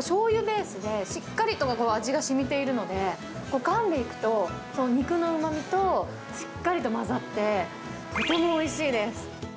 しょうゆベースで、しっかりと味がしみているので、かんでいくと、その肉のうまみとしっかりと混ざって、とてもおいしいです。